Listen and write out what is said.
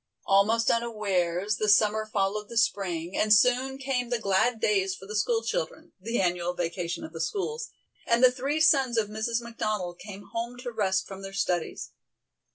Almost unawares the Summer followed the Spring, and soon came the glad days for the school children the annual vacation of the schools and the three sons of Mrs. McDonald came home to rest from their studies.